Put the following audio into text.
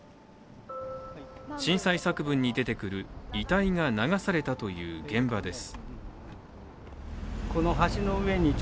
震災作文に出てくる遺体が流されたという現場です。